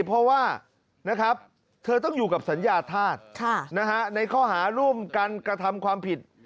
เพราะว่าเธอต้องอยู่กับสัญญาธาตุในข้อหาร่วมกันกระทำความผิด